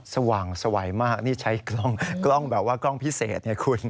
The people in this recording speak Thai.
สว่างสวัยมากนี่ใช้กล้องแบบว่ากล้องพิเศษเนี่ยคุณ